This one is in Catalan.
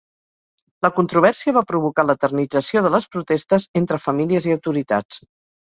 La controvèrsia va provocar l'eternització de les protestes entre famílies i autoritats.